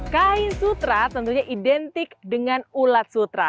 kain sutra tentunya identik dengan ulat sutra